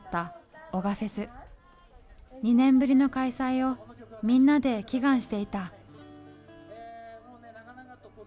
２年ぶりの開催をみんなで祈願していた。